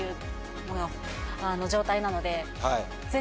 状態なので。